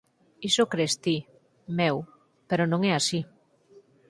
Iso cres ti, meu, pero non é así.